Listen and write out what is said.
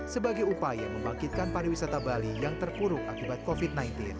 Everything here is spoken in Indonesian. sebagai upaya membangkitkan pariwisata bali yang terpuruk akibat covid sembilan belas